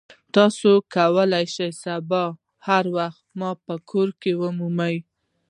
تاسو کولی شئ سبا هر وخت ما په کور کې ومومئ